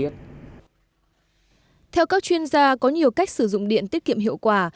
theo các chuyên gia có nhiều cách sử dụng điện tiết kiệm hiệu quả